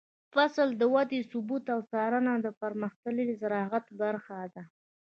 د فصل د ودې ثبت او څارنه د پرمختللي زراعت برخه ده.